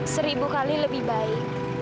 seribu kali lebih baik